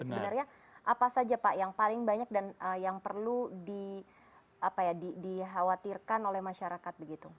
sebenarnya apa saja pak yang paling banyak dan yang perlu dikhawatirkan oleh masyarakat begitu